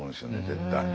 絶対。